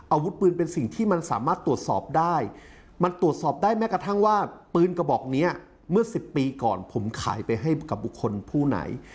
อาวุธปืนเป็นสิ่งที่มันสามารถตรวจสอบได้มันตรวจสอบได้แม้กระทั่งว่าปืนกระบอกนี้เมื่อ๑๐ปีก่อนผมขายไปให้กับบุคคลผู้ไหน